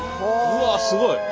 うわすごい。